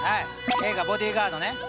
映画「ボディガード」ね。